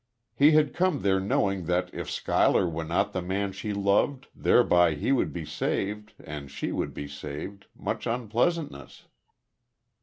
He had come there knowing that, if Schuyler were not the man she loved, thereby he would be saved, and she would be saved, much unpleasantness.